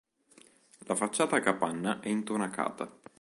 La facciata a capanna è intonacata.